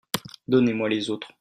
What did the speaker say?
Donnez-moi les autres.